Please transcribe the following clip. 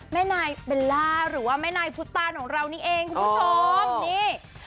แม่นายเบลล่าหรือว่าแม่นายพุทธตานของเรานี่เองคุณผู้ชมนี่